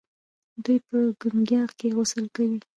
دوی په ګنګا کې غسل کوي.